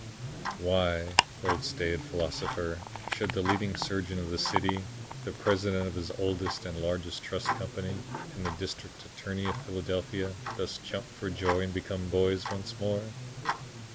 Why, old staid philosopher, should the leading surgeon of the city, the president of its oldest and largest trust company, and the district attorney of Philadelphia, thus jump for joy and become boys once more?